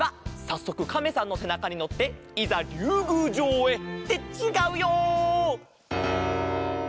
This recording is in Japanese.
さっそくカメさんのせなかにのっていざりゅうぐうじょうへ。ってちがうよ！